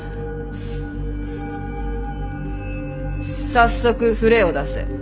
早速触れを出せ！